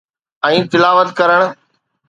۽ تلاوت ڪرڻ.